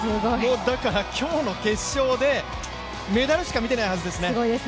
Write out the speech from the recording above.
だから今日の決勝で、メダルしか見ていないはずですね。